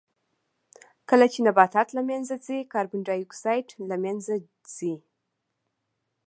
کله چې نباتات له منځه ځي کاربن ډای اکسایډ له منځه ځي.